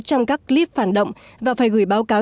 trong các clip phản động và phải gửi báo cáo